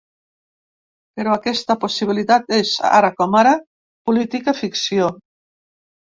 Però aquesta possibilitat és, ara com ara, política-ficció.